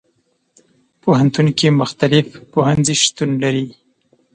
پوهنتون کې مختلف پوهنځي شتون لري.